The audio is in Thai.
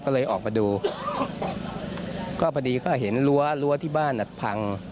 ก็เลยออกมาดูก็พอดีก็เห็นรั้วรั้วที่บ้านอ่ะพัง